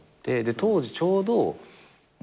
当時ちょうど。